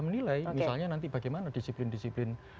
menilai misalnya nanti bagaimana disiplin disiplin